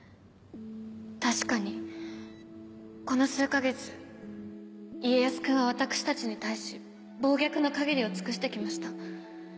確かにこの数か月家康君は私たちに対し暴虐の限りを尽くして来ました。